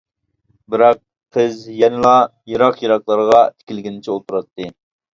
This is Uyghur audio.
بىراق قىز يەنىلا يىراق-يىراقلارغا تىكىلگىنىچە ئولتۇراتتى.